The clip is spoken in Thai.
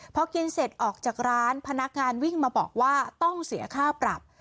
พอกินเสร็จออกจากร้านพนักงานวิ่งมาบอกว่าต้องเสียค่าปรับ